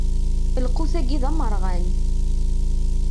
Lqut-agi d amerɣan.